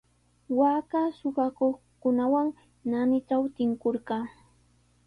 Waaka suqakuqkunawan naanitraw tinkurqaa.